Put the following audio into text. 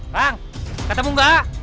kang ketemu nggak